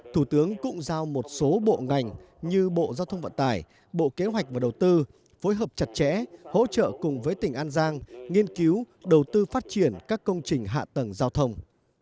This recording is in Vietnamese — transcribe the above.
thủ tướng cũng giao một số bộ ngành như bộ giao thông vận tải bộ kế hoạch và đầu tư phối hợp chặt chẽ hỗ trợ cùng với tỉnh an giang nghiên cứu đầu tư phát triển các công trình hạ tầng giao thông